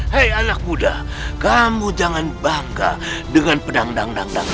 hei anak muda kamu jangan bangga dengan pedang pedang